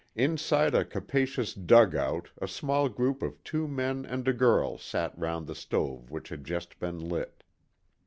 Inside a capacious "dugout" a small group of two men and a girl sat round the stove which had just been lit.